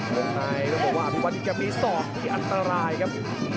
ลงในก็บอกว่าอภิวัตรจะมีสอบที่อันตรายครับ